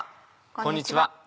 こんにちは。